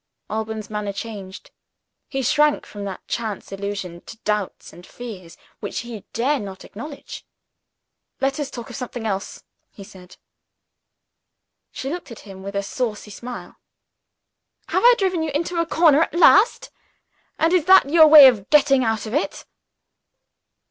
Alban's manner changed: he shrank from that chance allusion to doubts and fears which he dare not acknowledge. "Let us talk of something else," he said. She looked at him with a saucy smile. "Have I driven you into a corner at last? And is that your way of getting out of it?"